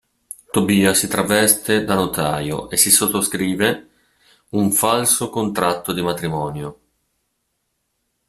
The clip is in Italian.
Tobia si traveste da notaio e si sottoscrive un falso contratto di matrimonio.